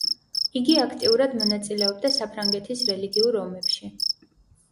იგი აქტიურად მონაწილეობდა საფრანგეთის რელიგიურ ომებში.